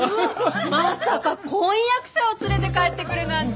まさか婚約者を連れて帰ってくるなんて！